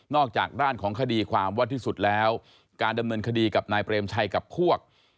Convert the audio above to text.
จากด้านของคดีความว่าที่สุดแล้วการดำเนินคดีกับนายเปรมชัยกับพวก